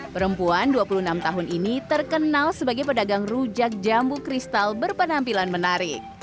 perempuan dua puluh enam tahun ini terkenal sebagai pedagang rujak jambu kristal berpenampilan menarik